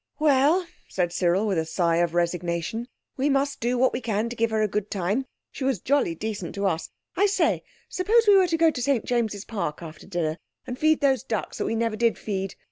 "Well," said Cyril, with a sigh of resignation, "we must do what we can to give her a good time. She was jolly decent to us. I say, suppose we were to go to St James's Park after dinner and feed those ducks that we never did feed.